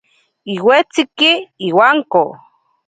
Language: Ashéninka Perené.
Iwetsiki iwanko.